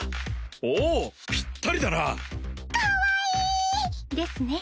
おおっぴったりだなかわいい！ですね